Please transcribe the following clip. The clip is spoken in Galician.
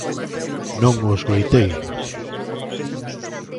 Non o escoitei.